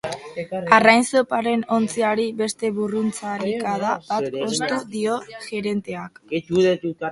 Arrain zoparen ontziari beste burruntzalikada bat ostu dio gerenteak.